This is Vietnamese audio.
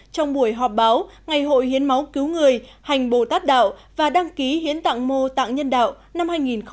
trong buổi họp báo ngày hội hiến máu cứu người hành bồ tát đạo và đăng ký hiến tặng mô tặng nhân đạo năm hai nghìn một mươi chín